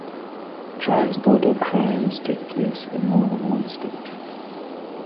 Transborder crimes take place in more than one state.